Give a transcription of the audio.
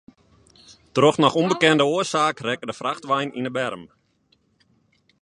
Troch noch ûnbekende oarsaak rekke de frachtwein yn de berm.